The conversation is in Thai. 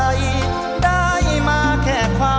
ช่วยฝังดินหรือกว่า